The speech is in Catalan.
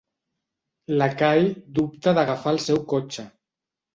L'Ekahi dubta d'agafar el seu cotxe.